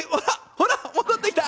ほら戻ってきた！